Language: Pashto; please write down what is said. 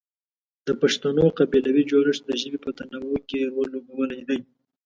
د پښتنو قبیلوي جوړښت د ژبې په تنوع کې رول لوبولی دی.